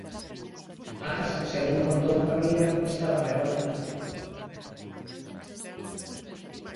A casa, segundo contou un familiar, estaba revolta.